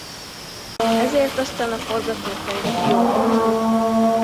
Ezért aztán a forgatókönyv a fiókba került.